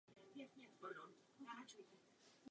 Byl členem rakouské archeologické společnosti.